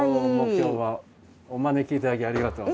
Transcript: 今日はお招きいただきありがとうございます。